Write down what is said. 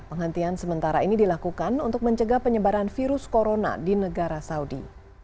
penghentian sementara ini dilakukan untuk mencegah penyebaran virus corona di negara saudi